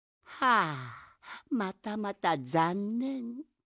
あまたまたざんねん。